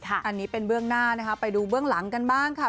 อันนี้เป็นเบื้องหน้านะคะไปดูเบื้องหลังกันบ้างค่ะ